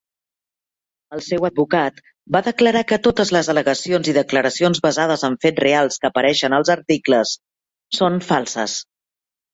El seu advocat va declarar que totes les al·legacions i declaracions basades en fets reals que apareixien als articles són falses.